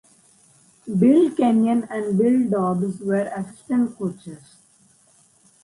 Bill Kenyon and Bill Dobbs were assistant coaches.